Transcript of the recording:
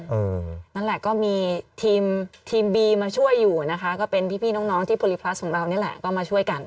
นั่นแหละก็มีทีมทีมบีมาช่วยอยู่นะคะก็เป็นพี่น้องที่โพลิพลัสของเรานี่แหละก็มาช่วยกัน